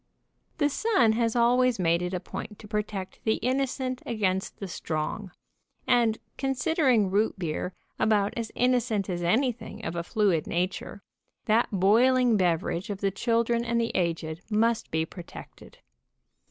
The Sun has always made it a point to protect 210 THE TERRIBLE ROOT BEER JAG the innocent against the strong, and considering root beer about as innocent as anything of a fluid nature, that boiling beverage of the children and the aged must be protected.